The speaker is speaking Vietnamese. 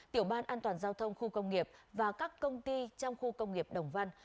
tiểu ban an toàn giao thông khu công nghiệp và các công ty trong khu công nghiệp đồng văn